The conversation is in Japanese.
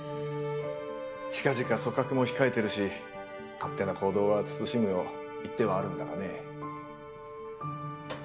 近々組閣も控えてるし勝手な行動は慎むよう言ってはあるんだがね。